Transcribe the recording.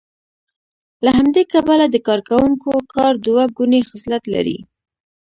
له همدې کبله د کارکوونکو کار دوه ګونی خصلت لري